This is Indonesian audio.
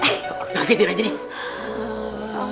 gak ngagetin aja nih